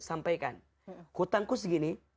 sampaikan hutangku segini